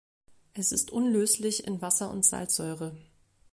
Es ist unlöslich in Wasser und Salzsäure.